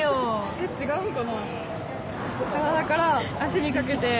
えっ違うんかな。